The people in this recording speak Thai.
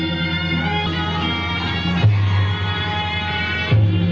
สุดท้ายสุดท้ายสุดท้าย